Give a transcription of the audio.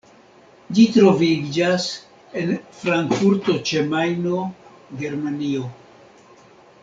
Ĝi troviĝas en Frankfurto ĉe Majno, Germanio.